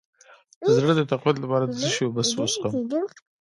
د زړه د تقویت لپاره د څه شي اوبه وڅښم؟